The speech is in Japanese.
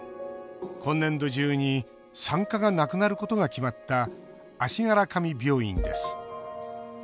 今年度中に産科がなくなることが決まった足柄上病院です。